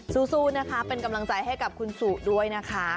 สู้นะคะเป็นกำลังใจให้กับคุณสุด้วยนะคะ